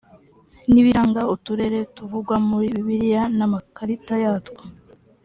n ibiranga uturere tuvugwa muri bibiliya n amakarita yatwo